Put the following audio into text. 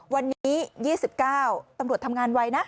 วันนี้๒๙ตำรวจทำงานไวนะ